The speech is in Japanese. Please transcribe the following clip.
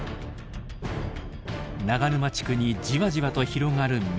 長沼地区にじわじわと広がる水。